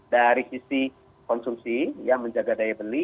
dari sisi konsumsi menjaga daya beli